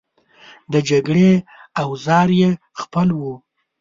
د جګړې اوزار یې خپل وو.